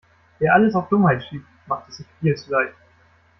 Wer alles auf Dummheit schiebt, macht es sich viel zu leicht.